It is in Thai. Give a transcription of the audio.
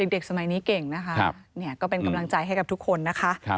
เด็กสมัยนี้เก่งนะคะก็เป็นกำลังใจให้กับทุกคนนะคะ